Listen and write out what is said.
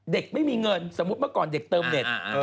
เด็กไม่มีเงินสมมุติเมื่อก่อนเด็กเติมเน็ต